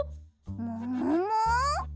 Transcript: ももも？